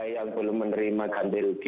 seperti apa pak kondisinya